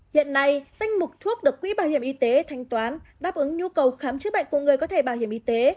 hiện nay danh mục thuốc được quỹ bảo hiểm y tế thanh toán đáp ứng nhu cầu khám chữa bệnh của người có thể bảo hiểm y tế